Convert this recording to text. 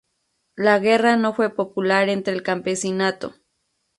La guerra no fue popular entre el campesinado.